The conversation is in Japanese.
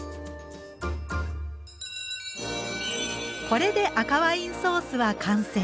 これで赤ワインソースは完成。